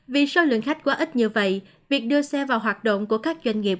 vì số lượng khách quá ít như vậy việc đưa xe vào hoạt động của các doanh nghiệp